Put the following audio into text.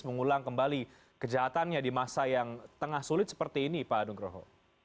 mengulang kembali kejahatannya di masa yang tengah sulit seperti ini pak nugroho